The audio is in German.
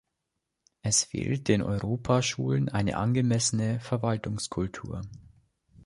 Es fehlt den Europaschulen eine angemessene Verwaltungskultur.